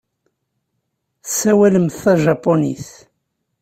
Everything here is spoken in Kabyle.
Tessawalemt tajapunit.